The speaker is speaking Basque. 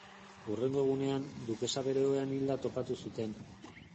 Hurrengo egunean, dukesa bere ohean hilda topatuko zuten.